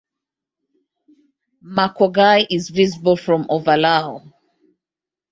Makogai is visible from Ovalau.